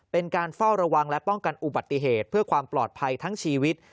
เป็นการเฝ้าระวังและป้องกันอุบัติเหตุเพื่อความปลอดภัยทั้งชีวิต